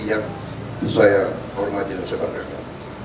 yang saya hormati dan saya banggakan